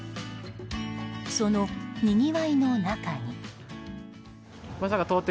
そのにぎわいの中に。